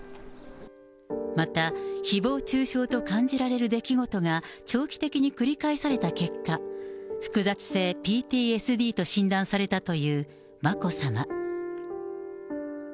また、ひぼう中傷と感じられる出来事が長期的に繰り返された結果、複雑性ＰＴＳＤと診断されたという眞子さま。